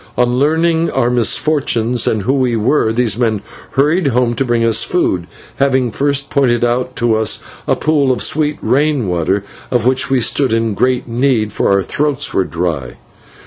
On learning our misfortunes and who we were, these men hurried home to bring us food, having first pointed out to us a pool of sweet rain water, of which we stood in great need, for our throats were dry.